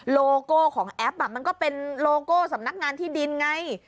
โลโก้ของแอปมันก็เป็นโลโก้สำนักงานที่ดินไง